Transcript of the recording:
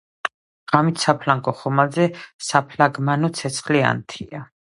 ღამით საფლანგო ხომალდზე საფლაგმანო ცეცხლი ანთია.